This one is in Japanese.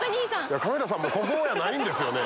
カメラさんも「ここ！」やないんですよねぇ。